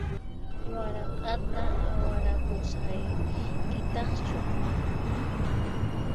Warak'ata awarapusqaykitaqchu?